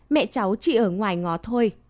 mẹ cháu chỉ ở ngoài ngó thôi